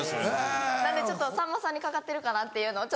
なんでちょっとさんまさんにかかってるかなっていうのを。